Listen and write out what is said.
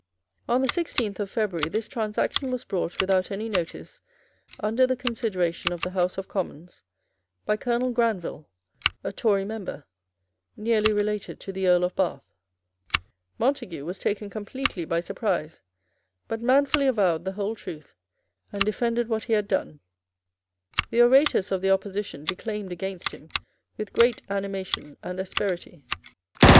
On the sixteenth of February this transaction was brought without any notice under the consideration of the House of Commons by Colonel Granville, a Tory member, nearly related to the Earl of Bath. Montague was taken completely by surprise, but manfully avowed the whole truth, and defended what he had done. The orators of the opposition declaimed against him with great animation and asperity.